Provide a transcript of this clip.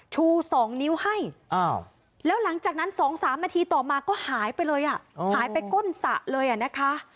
ชู๒นิ้วให้แล้วหลังจากนั้น๒๓นาทีต่อมาก็หายไปเลยอ่ะหายไปก้นสระเลยนะคะ